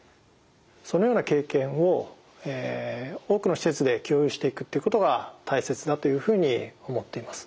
そのような経験を多くの施設で共有していくっていうことが大切だというふうに思っています。